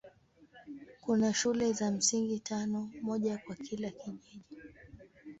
Kuna shule za msingi tano, moja kwa kila kijiji.